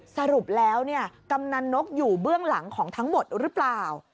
สรุปแล้วกำนันนกอยู่เบื้องหลังของทั้งหมดหรือเปล่า